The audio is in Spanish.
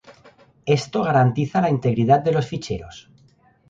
Esto garantiza la integridad de los ficheros.